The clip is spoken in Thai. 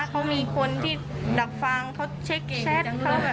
เขามีคนที่ดับฟังเขาเช็คแชทเขา